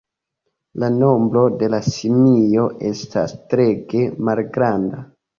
La nombro de la simio estas treege malgranda.